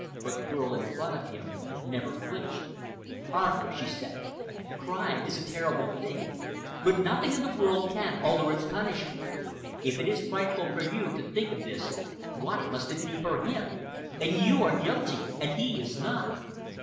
But the girl in front of him never flinched. "Arthur," she said, "crime is a terrible thing, but nothing in the world can alter its punishment. If it is frightful for you to think of this, what must it be for him? And you are guilty and he is not."